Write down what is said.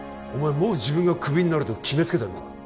もう自分がクビになると決めつけてるのか？